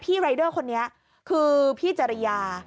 รายเดอร์คนนี้คือพี่จริยา